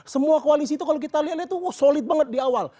semua koalisi itu kalau kita lihat itu wah solid banget di awal